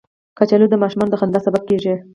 کچالو د ماشومانو د خندا سبب کېږي